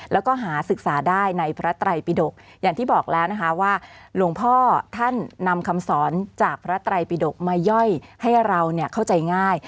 แล้วก็หาศึกษาได้ในพระไตรปิดกอย่างที่บอกแล้วนะคะว่าหลวงพ่อท่านนำคำสอนจากพระไตรปิดกมาย่อยให้เราเข้าใจง่าย